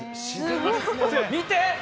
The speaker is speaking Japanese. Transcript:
見て。